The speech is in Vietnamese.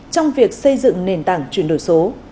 trong việc xây dựng nền tảng chuyển đổi số